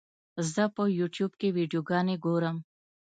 زه په یوټیوب کې ویډیوګانې ګورم.